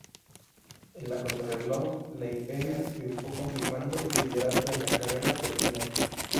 En la contrarreloj Leipheimer triunfó, confirmando el liderato de la carrera hasta el final.